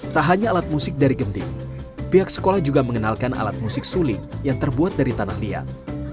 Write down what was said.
tak hanya alat musik dari genting pihak sekolah juga mengenalkan alat musik suli yang terbuat dari tanah liat